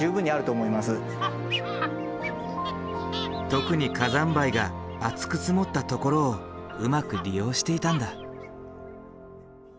特に火山灰が厚く積もったところをうまく利用していたんだ。